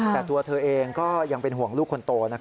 แต่ตัวเนี่ยก็ยังเป็นห่วงลูกคนโตนะครับ